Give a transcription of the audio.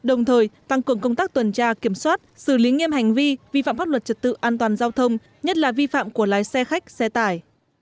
đồng thời tăng cường công tác tuần tra kiểm soát xử lý nghiêm hành vi vi phạm pháp luật trật tự an toàn giao thông nhất là vi phạm của lái xe khách xe tải